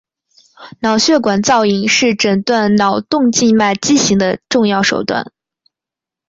脑血管造影是诊断脑动静脉畸形的重要手段。